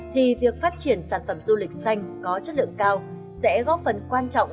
thì việc phát triển sản phẩm du lịch xanh có chất lượng cao sẽ góp phần quan trọng